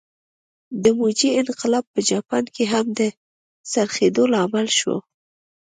د میجي انقلاب په جاپان کې هم د څرخېدو لامل شو.